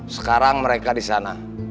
sekarang mereka disana